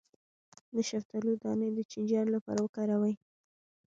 د شفتالو دانه د چینجیانو لپاره وکاروئ